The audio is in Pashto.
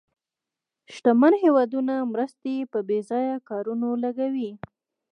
شتمن هېوادونه مرستې په بې ځایه کارونو لګوي.